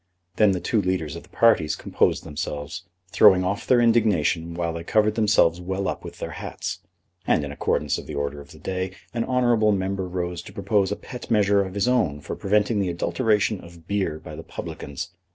Then the two leaders of the two parties composed themselves, throwing off their indignation while they covered themselves well up with their hats, and, in accordance with the order of the day, an honourable member rose to propose a pet measure of his own for preventing the adulteration of beer by the publicans.